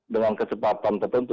dengan kesempatan tertentu